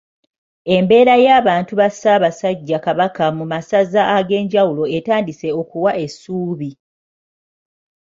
Embeera y'abantu ba Ssaabasajja Kabaka mu masaza ag'enjawulo etandise okuwa essuubi.